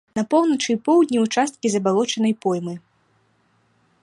На поўначы і поўдні ўчасткі забалочанай поймы.